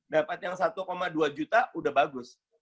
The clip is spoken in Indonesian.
dapat yang satu dua juta udah bagus